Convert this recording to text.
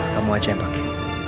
kamu aja yang pake